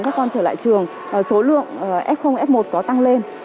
lớp học này có năm mươi học sinh